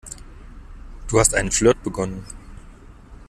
Du hast einen Flirt begonnen.